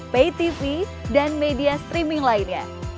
paytv dan media streaming lainnya